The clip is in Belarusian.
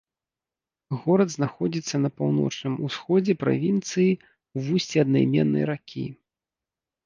Горад знаходзіцца на паўночным усходзе правінцыі ў вусці аднайменнай ракі.